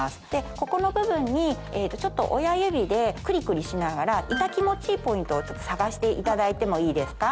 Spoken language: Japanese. ここの部分に親指でくりくりしながら痛気持ちいいポイントを探していただいてもいいですか？